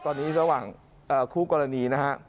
ตอนนี้ระหว่างคู่กรณีนะฮะ